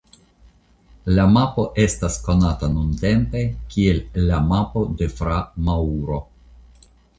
La mapo estas konata nuntempe kiel la "Mapo de Fra Mauro".